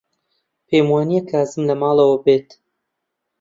پێم وانییە کازم لە ماڵەوە بێت.